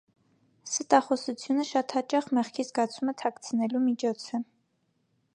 Ստախոսությունը, շատ հաճախ, մեղքի զգացումը թաքցնելու միջոց է։